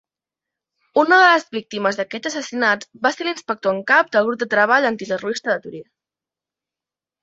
Una de les víctimes d'aquests assassinats va ser l'inspector en cap del grup de treball antiterrorista de Torí.